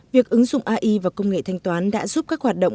việc ứng dụng ai và công nghệ thanh toán đã giúp các hoạt động